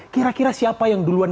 kira kira siapa yang duluan